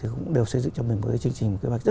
cũng đều xây dựng cho mình một cái chương trình